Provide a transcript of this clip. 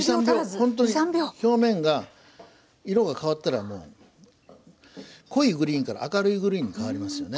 ほんとに表面が色が変わったらもう濃いグリーンから明るいグリーンに変わりますよね。